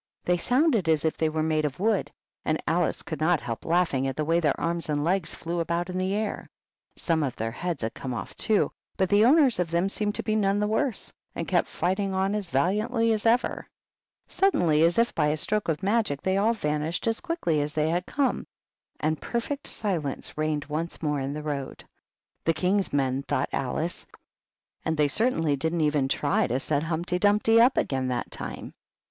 They sounded as if they were made of wood, and Alice could not help laughing at the way their arms and legs flew about in the air. Some of their heads had come off, too, but the owners of them seemed to be none the worse, and kept fighting on as valiantly as ever. Suddenly, as if by a stroke of magic, they all vanished as quickly as they had come, and perfect silence reigned once more in the road. "The King's men!" thought Alice. "And 9* 102 HUMPTY DUMPTY. they certainly didn't even try to set Humpty Dumpty up again that time."